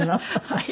はい。